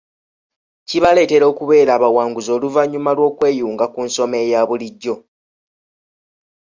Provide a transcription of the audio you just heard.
Kibaleetera okubeera abawanguzi oluvannyuma lw’okweyunga ku nsoma eya bulijjo.